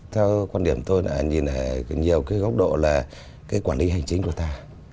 theo quan điểm tôi là nhìn ở nhiều cái góc độ là cái quản lý hành chính của ta